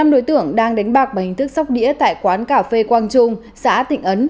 năm đối tượng đang đánh bạc bằng hình thức sóc đĩa tại quán cà phê quang trung xã tịnh ấn